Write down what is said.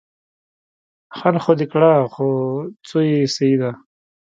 حل خو دې کړه خو څو يې صيي وه.